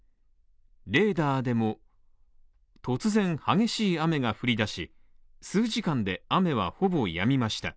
レーダーでも、突然激しい雨が降りだし、数時間で雨はほぼやみました。